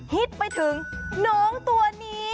ไปถึงน้องตัวนี้